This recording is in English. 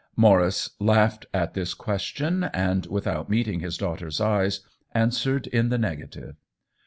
Maurice laughed at this question and, with out meeting his daughter's eyes, answered in the negative.